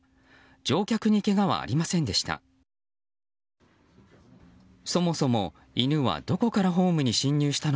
乗客にけがはありませんでした。